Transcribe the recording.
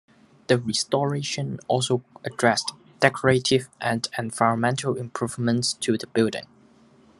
The restoration also addressed decorative and environmental improvements to the building.